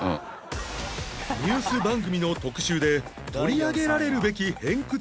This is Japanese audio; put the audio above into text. ニュース番組の特集で取り上げられるべき偏屈